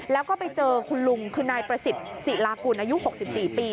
แล้วก็ไปเจอคุณลุงคือนายประสิทธิ์ศิลากุลอายุ๖๔ปี